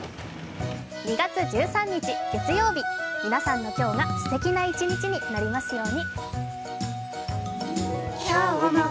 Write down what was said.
２月１３日月曜日、皆さんの今日がすてきな一日になりますように。